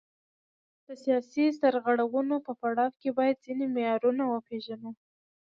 د سیاسي سرغړونې په پړاو کې باید ځینې معیارونه وپیژنو.